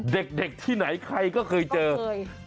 เด็กที่ไหนใครก็เคยเจอเคย